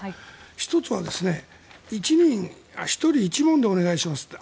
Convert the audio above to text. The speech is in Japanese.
１つは、１人１問でお願いしますって。